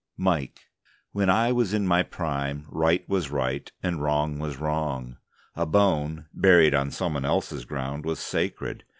MIKE: When I was in my prime Right was Right, and Wrong was Wrong. A bone, buried on someone else's ground, was sacred.